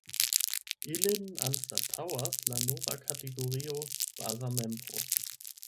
Ilin anstataŭas la nova kategorio ”baza membro”.